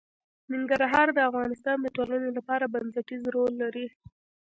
ننګرهار د افغانستان د ټولنې لپاره بنسټيز رول لري.